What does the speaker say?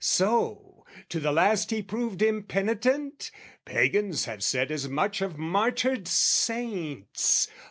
"So, to the last he proved impenitent? "Pagans have said as much of martyred saints!